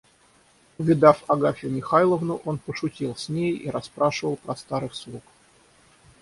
Увидав Агафью Михайловну, он пошутил с ней и расспрашивал про старых слуг.